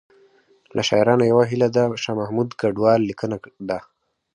له شاعرانو یوه هیله د شاه محمود کډوال لیکنه ده